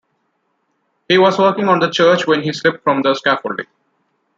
He was working on the church when he slipped from the scaffolding.